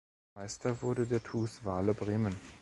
Meister wurde der TuS Walle Bremen.